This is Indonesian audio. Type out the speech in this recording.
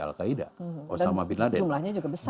al qaeda osama bin laden